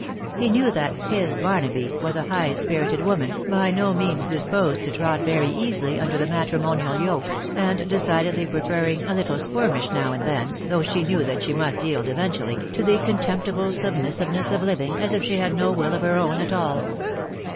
He knew that "his Barnaby " was a high spirited woman, by no means disposed to trot very easily under the matrimonial yoke, and decidedly prefer ring a little skirmish now and then, though she knew that she must yield eventually, to the contemptible submissiveness of living as if she had no will of her own at all.